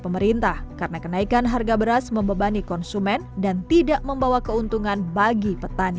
pemerintah karena kenaikan harga beras membebani konsumen dan tidak membawa keuntungan bagi petani